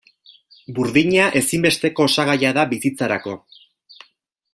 Burdina ezinbesteko osagaia da bizitzarako.